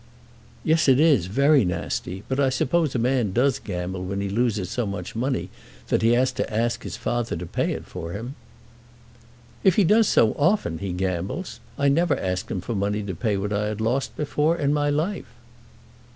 "Yes, it is; very nasty. But I suppose a man does gamble when he loses so much money that he has to ask his father to pay it for him." "If he does so often, he gambles. I never asked him for money to pay what I had lost before in my life."